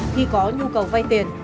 khi có nhu cầu vay tiền